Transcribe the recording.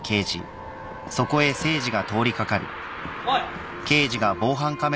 おい。